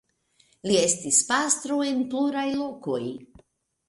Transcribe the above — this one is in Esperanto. Li estis pastro en pluraj lokoj.